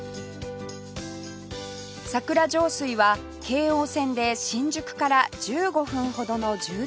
桜上水は京王線で新宿から１５分ほどの住宅街